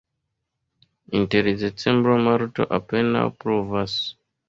Inter decembro-marto apenaŭ pluvas.